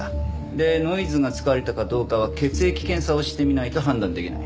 でノイズが使われたかどうかは血液検査をしてみないと判断できない。